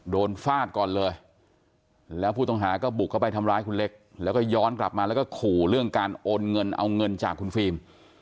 ฟาดก่อนเลยแล้วผู้ต้องหาก็บุกเข้าไปทำร้ายคุณเล็กแล้วก็ย้อนกลับมาแล้วก็ขู่เรื่องการโอนเงินเอาเงินจากคุณฟิล์ม